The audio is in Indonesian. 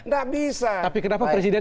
gak bisa tapi kenapa presiden